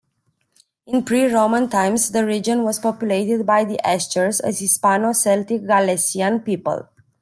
In pre-Roman times the region was populated by the Astures, a Hispano-Celtic Gallaecian people.